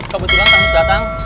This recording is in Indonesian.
kebetulan kamu sudah datang